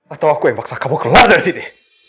atau aku yang paksa kamu keluar dari sini